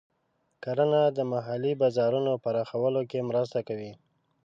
کرنه د محلي بازارونو پراخولو کې مرسته کوي.